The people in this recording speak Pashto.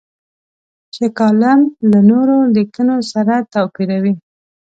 چې کالم له نورو لیکنو سره توپیروي.